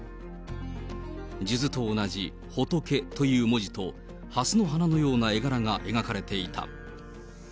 数珠と同じ佛という文字とはすの花のような絵柄が描かれていた。